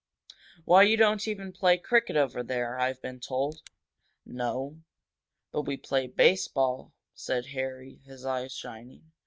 Why, you don't even play cricket over there, I've been told!" "No, but we play baseball," said Harry, his eyes shining.